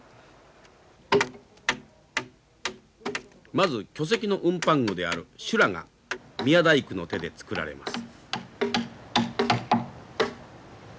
まず巨石の運搬具である修羅が宮大工の手で作られます。